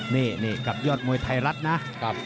นี่กับยอดมวยไทยรัฐนะ